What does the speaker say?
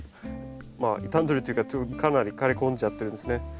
まあ傷んでるというかかなり枯れ込んじゃってるんですね。